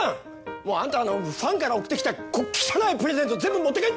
もうあんたのファンから送ってきた汚いプレゼント全部持って帰って！